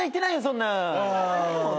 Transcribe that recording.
そんな。